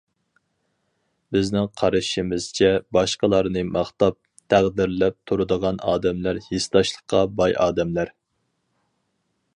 بىزنىڭ قارىشىمىزچە، باشقىلارنى ماختاپ، تەقدىرلەپ تۇرىدىغان ئادەملەر ھېسداشلىققا باي ئادەملەر.